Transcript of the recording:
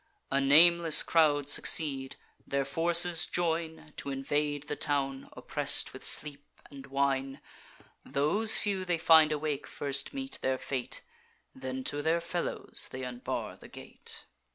A nameless crowd succeed; their forces join T' invade the town, oppress'd with sleep and wine. Those few they find awake first meet their fate; Then to their fellows they unbar the gate.